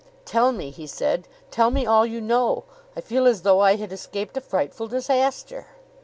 "Tell me," he said. "Tell me all you know. I feel as though I had escaped a frightful disaster."